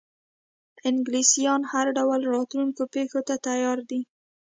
انګلیسیان هر ډول راتلونکو پیښو ته تیار دي.